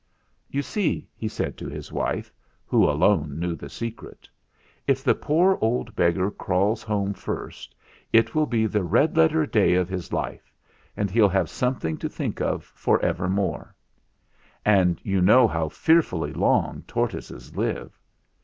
" 'You see/ he said to his wife, who alone knew the secret, 'if the poor old beggar crawls home first, it will be the red letter day of his life, and he'll have something to think of for evermore; and you know how fearfully long tortoises live.